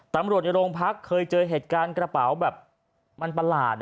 ตำรวจในโรงพักเคยเจอเหตุการณ์กระเป๋าแบบมันประหลาด